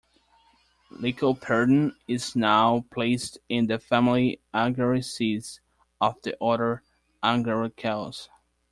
"Lycoperdon" is now placed in the family Agaricaceae of the order Agaricales.